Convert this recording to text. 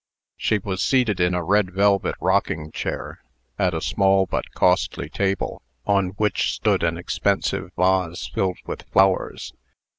She was seated in a red velvet rocking chair, at a small but costly table, on which stood an expensive vase filled with flowers.